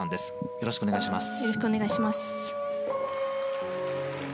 よろしくお願いします。